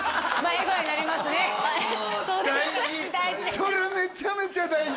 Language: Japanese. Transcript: それはめちゃめちゃ大事！